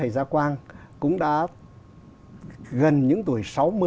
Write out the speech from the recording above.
gần những tuổi sáu mươi